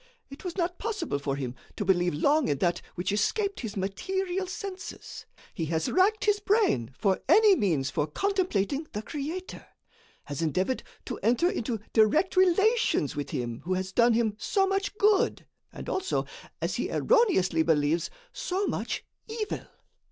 It was not possible for him to believe long in that which escaped his material senses. He has racked his brain for any means for contemplating the Creator; has endeavored to enter into direct relations with him who has done him so much good, and also, as he erroneously believes, so much evil.